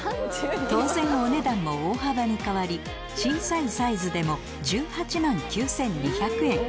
当然お値段も大幅に変わり小さいサイズでも１８万９２００円